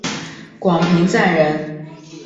广平酂人。